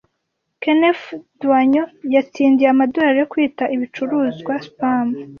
Kenneth Daigneau yatsindiye amadorari yo kwita ibicuruzwa Spam